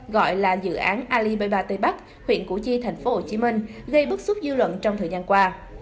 gọi là dự án alibaba tây bắc huyện củ chi tp hcm gây bức xúc dư luận trong thời gian qua